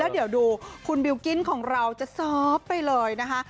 เดี๋ยวดูคุณบิลกิ้นของเราจะซอฟต์ไปเลยนะคะ